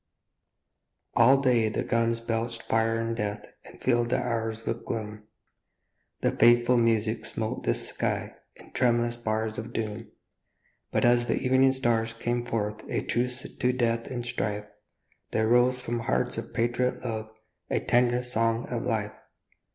ALL day the guns belched fire and death And filled the hours with gloom; The fateful music smote the sky In tremulous bars of doom ; But as the evening stars came forth A truce to death and strife, There rose from hearts of patriot love A tender song of life.